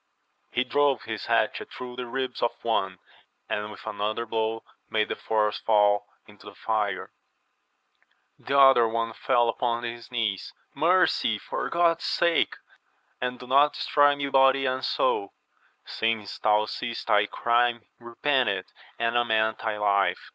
He drove his hatchet through the ribs of one, and with another blow made the fourth fall into the fire ; the other one fell upon his knees, Mercy, for God's sake, and do not destroy me body and soul ! Since thou seest thy crime, repent it, and amend thy life